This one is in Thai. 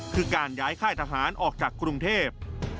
คือการย้ายค่ายทหารออกจากกรุงเทพ